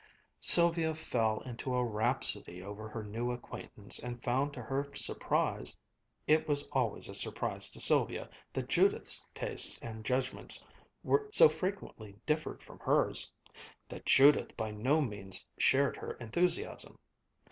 Sylvia fell into a rhapsody over her new acquaintance and found to her surprise (it was always a surprise to Sylvia that Judith's tastes and judgments so frequently differed from hers) that Judith by no means shared her enthusiasm.